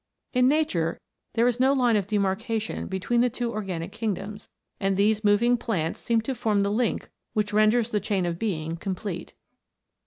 In nature there is no line of demarcation between the two organic kingdoms, and these moving plants seem to form the link which renders the chain of being complete.